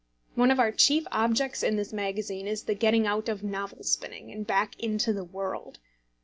One of our chief objects in this magazine is the getting out of novel spinning, and back into the world.